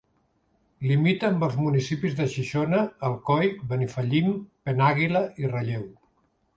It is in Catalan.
Limita amb els municipis de Xixona, Alcoi, Benifallim, Penàguila i Relleu.